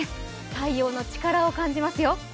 太陽の力を感じますよ。